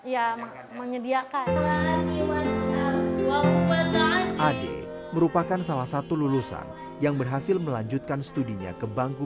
ya menyediakan ade merupakan salah satu lulusan yang berhasil melanjutkan studinya ke bangku